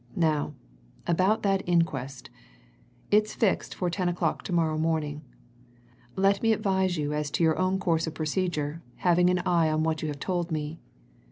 Now, about that inquest. It is fixed for ten o'clock to morrow morning. Let me advise you as to your own course of procedure, having an eye on what you have told me.